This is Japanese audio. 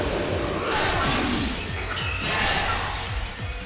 うわ！